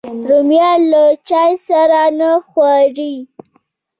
رومیان له چای سره نه خوري